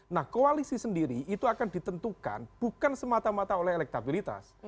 nah koalisi sendiri itu akan ditentukan bukan semata mata oleh elektabilitas